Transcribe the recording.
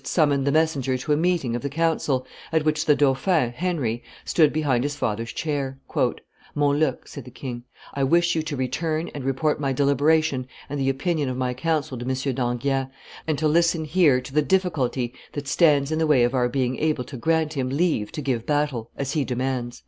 summoned the messenger to a meeting of the council, at which the dauphin, Henry, stood behind his father's chair. "Montluc," said the king, "I wish you to return and report my deliberation and the opinion of my council to M. d'Enghien, and to listen here to the difficulty that stands in the way of our being able to grant him leave to give battle, as he demands."